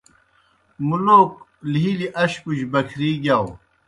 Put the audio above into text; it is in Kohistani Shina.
مُلوک لِھیلیْ اشپوْجیْ بکھری گِیاؤ۔